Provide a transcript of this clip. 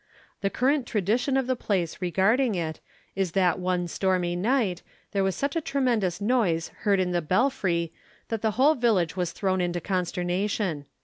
The current tradition of the place regarding it is that one stormy night, there was such a tremendous noise heard in the belfry that the whole village was thrown into consternation.